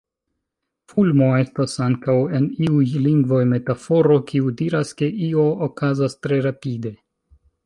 Fulmo estas ankaŭ en iuj lingvoj metaforo, kiu diras ke io okazas tre rapide.